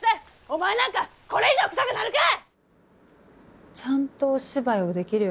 お前なんかこれ以上臭くなるか！